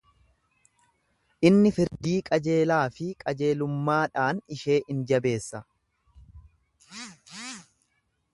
Inni firdii qajeelaa fi qajeelummaadhaan ishee in jabeessa.